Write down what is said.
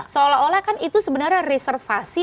seolah olah kan itu sebenarnya reservasi